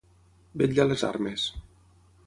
Vetllar les armes.